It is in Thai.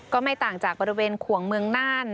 ก็ไม่ต่างจากบริเวณขวงเมืองน่าน